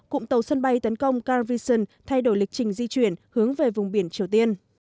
rằng tàu sân bay tấn công carl vinson thay đổi lịch trình di chuyển hướng về vùng biển triều tiên